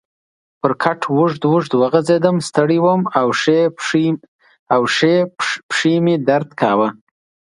پر کټ اوږد اوږد وغځېدم، ستړی وم او ښۍ پښې مې درد کاوه.